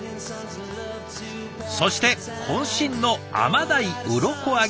そしてこん身の甘ダイウロコ揚げ。